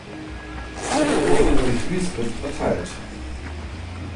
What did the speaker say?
Sie wird in der Regel durch Reskript erteilt.